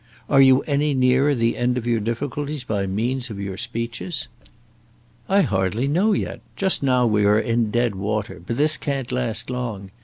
"Are you any nearer the end of your difficulties by means of your speeches?" "I hardly know yet. Just now we are in dead water; but this can't last long.